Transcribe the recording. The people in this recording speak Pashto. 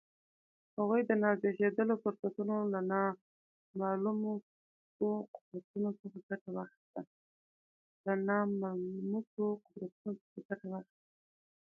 هغوی د نازېږېدلو فرصتونو له ناملموسو قدرتونو څخه ګټه واخیسته